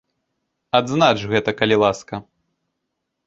Адзнач гэта, калі ласка.